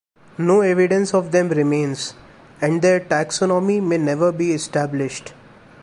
No evidence of them remains, and their taxonomy may never be established.